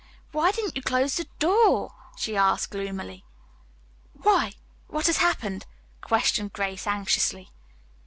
"Why didn't you close the door?" she asked gloomily. "Why? What has happened?" questioned Grace anxiously.